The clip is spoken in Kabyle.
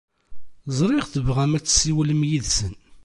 Ẓriɣ tebɣam ad tessiwlem yid-sen.